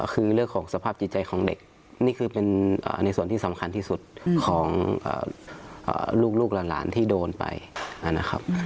คือเรื่องของสภาพจิตใจของเด็กนี่คือเป็นในส่วนที่สำคัญที่สุดของลูกหลานที่โดนไปนะครับ